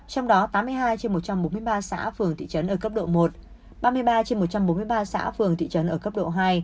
trong đó tám mươi hai trên một trăm bốn mươi ba xã phường thị trấn ở cấp độ một ba mươi ba trên một trăm bốn mươi ba xã phường thị trấn ở cấp độ hai